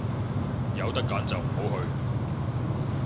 有得揀就唔好去